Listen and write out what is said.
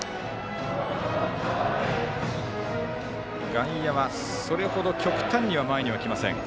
外野はそれほど極端に前には来ません。